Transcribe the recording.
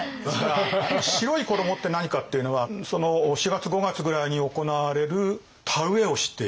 白い衣って何かっていうのはその４月５月ぐらいに行われる田植えをしている。